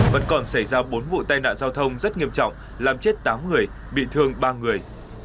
vẫn còn xảy ra bốn vụ tai nạn giao thông rất nghiêm trọng làm chết tám người bị thương ba người